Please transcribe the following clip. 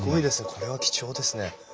これは貴重ですね。